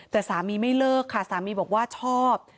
แต่สามีไม่เลิกค่ะสามีบอกว่าชอบ